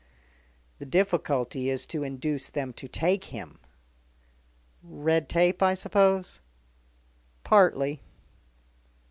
"The difficulty is to induce them to take him." "Red tape, I suppose?" "Partly."